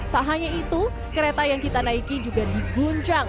tak hanya itu kereta yang kita naiki juga diguncang